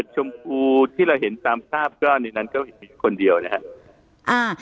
ชมพูที่เราเห็นตามภาพก็ในนั้นก็มีคนเดียวนะครับ